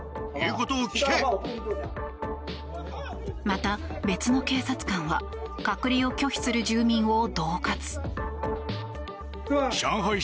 また、別の警察官は隔離を拒否する住民を恫喝。